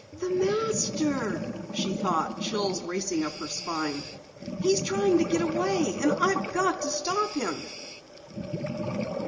"The Master!" she thought, chills racing down her spine. "He's trying to get away, and I've got to stop him!"